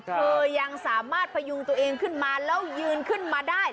ยังสามารถพยุงตัวเองขึ้นมาแล้วยืนขึ้นมาได้